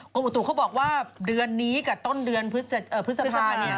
อุตุเขาบอกว่าเดือนนี้กับต้นเดือนพฤษภาเนี่ย